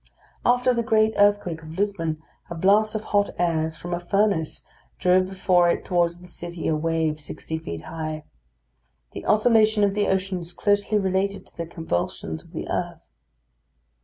After the great earthquake of Lisbon, a blast of hot air, as from a furnace, drove before it towards the city a wave sixty feet high. The oscillation of the ocean is closely related to the convulsions of the earth.